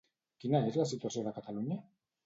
Quina és la situació de Catalunya?